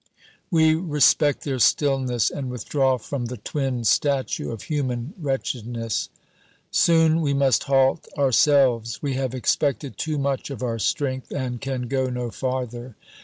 We respect their stillness, and withdraw from the twin statue of human wretchedness. Soon we must halt ourselves. We have expected too much of our strength and can go no farther.